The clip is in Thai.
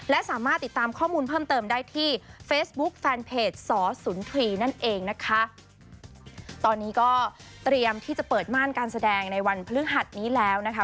และสามารถติดตามข้อมูลเพิ่มเติมได้ที่เฟซบุ๊คแฟนเพจสสุนทรีย์นั่นเองนะคะตอนนี้ก็เตรียมที่จะเปิดม่านการแสดงในวันพฤหัสนี้แล้วนะคะ